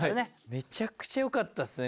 めちゃくちゃよかったっすね